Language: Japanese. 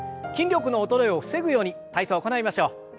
筋力の衰えを防ぐように体操行いましょう。